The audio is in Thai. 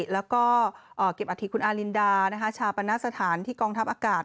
แล้วก็เก็บอัฐิคุณอารินดาชาปณสถานที่กองทัพอากาศ